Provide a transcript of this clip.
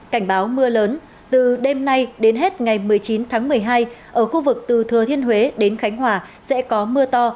cảnh báo mưa lớn từ đêm nay đến hết ngày một mươi chín tháng một mươi hai ở khu vực từ thừa thiên huế đến khánh hòa sẽ có mưa to